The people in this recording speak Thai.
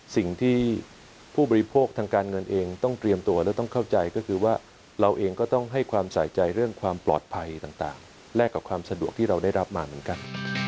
สิ่งที่ผู้บริโภคทางการเงินเองต้องเตรียมตัวและต้องเข้าใจก็คือว่าเราเองก็ต้องให้ความใส่ใจเรื่องความปลอดภัยต่างแลกกับความสะดวกที่เราได้รับมาเหมือนกัน